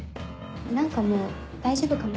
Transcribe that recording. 何かもう大丈夫かも。